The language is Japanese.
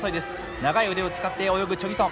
長い腕を使って泳ぐチョ・ギソン。